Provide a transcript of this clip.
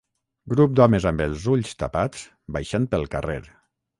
Grup d'homes amb els ulls tapats baixant pel carrer.